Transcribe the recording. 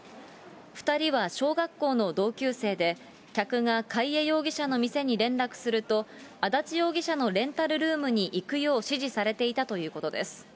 ２人は小学校の同級生で、客が貝江容疑者の店に連絡すると、安達容疑者のレンタルルームに行くよう指示されていたということです。